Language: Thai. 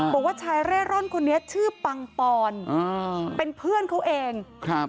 บอกว่าชายเร่ร่อนคนนี้ชื่อปังปอนอ่าเป็นเพื่อนเขาเองครับ